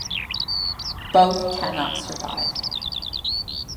Both cannot survive.